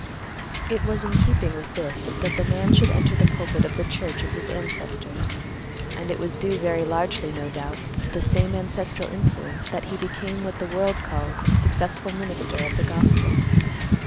"It was in keeping with this that the man should enter the pulpit of the church of his ancestors, and it was due very largely, no doubt, to the same ancestral influence that he became what the world calls a successful minister of the gospel.